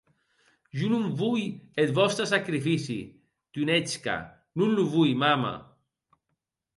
Jo non voi eth vòste sacrifici, Dunetchka; non lo voi, mama.